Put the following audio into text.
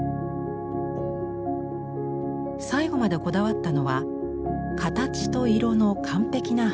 最後までこだわったのは「形と色の完璧なハーモニー」。